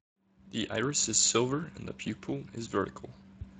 This iris is silver and the pupil is vertical.